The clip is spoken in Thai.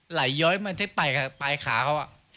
ไหลย้อยมาที่ปลายขาเค้าอ่ะ